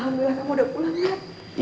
alhamdulillah kamu udah pulang ya